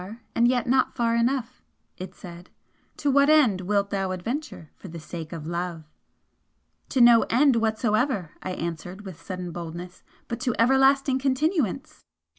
and yet not far enough!" it said "To what end wilt thou adventure for the sake of Love?" "To no End whatsoever," I answered with sudden boldness "But to everlasting Continuance!"